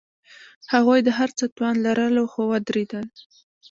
هغوی د هر څه توان لرلو، خو ودریدل.